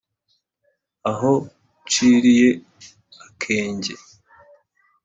aho nshiliye akenge